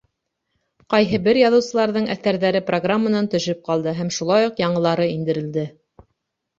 Ҡайһы бер яҙыусыларҙың әҫәрҙәре программанан төшөп ҡалды һәм шулай уҡ яңылары индерелде.